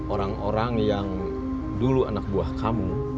orang orang yang dulu anak buah kamu